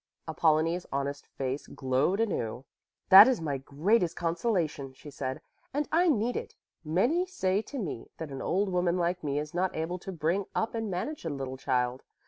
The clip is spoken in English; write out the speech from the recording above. Apollonie's honest face glowed anew. "That is my greatest consolation," she said, "and I need it. Many say to me that an old woman like me is not able to bring up and manage a little child.